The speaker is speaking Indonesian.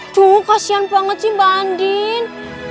tuh kasihan banget sih mbak andien